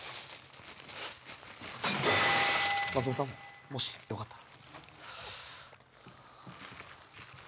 松本さんもしよかったら。